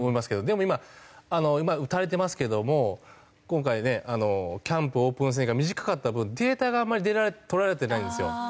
でも今打たれてますけども今回ねキャンプオープン戦が短かった分データがあまり取られてないんですよ。